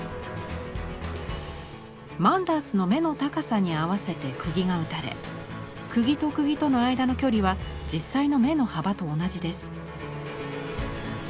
マンダースの目の高さに合わせて釘が打たれ釘と釘との間の距離は実際の目の幅と同じです。